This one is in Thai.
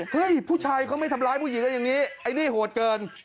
ผู้ชายเขาไม่ทำร้ายผู้หญิงกันอย่างนี้ไอ้นี่โหดเกิน